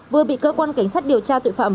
vừa bị cơ quan cảnh sát điều tra tội phạm